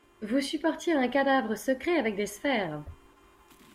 Vous supportiez un cadavre secret avec des sphères.